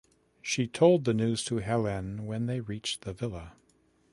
She told the news to Helene when they reached the villa.